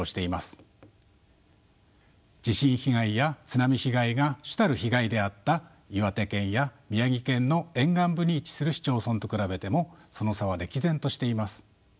地震被害や津波被害が主たる被害であった岩手県や宮城県の沿岸部に位置する市町村と比べてもその差は歴然としています。